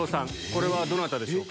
これはどなたでしょう？